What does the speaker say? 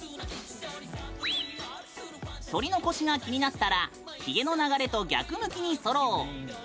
剃り残しが気になったらひげの流れと逆向きに剃ろう。